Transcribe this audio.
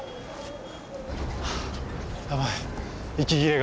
やばい息切れが。